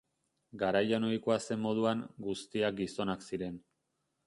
Garaian ohikoa zen moduan, guztiak gizonak ziren.